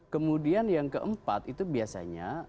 kemudian yang keempat itu biasanya